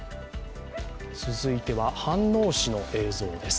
続いては、飯能市の映像です。